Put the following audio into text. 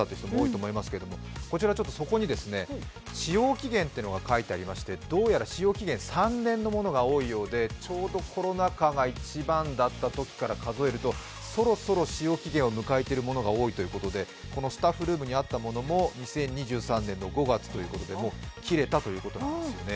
こちら底に、使用期限というのが書いてありまして、どうやら使用期限３年のものが多いようで、ちょうどコロナ禍が一番だったときから数えると、そろそろ使用期限を迎えているものが多いということでスタッフルームにあったものも２０２３年５月ということで切れたということなんです。